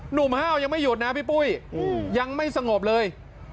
หนุ่มห้าวยังไม่หยุดนะพี่ปุ้ยยังไม่สงบเลย